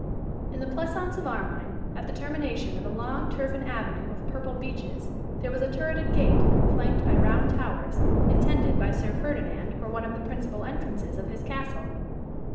In the pleasaunce of Armine, at the termination of a long turfen avenue of purple beeches, there was a turreted gate, flanked by round towers, intended by Sir Ferdinand for one of the principal entrances of his castle.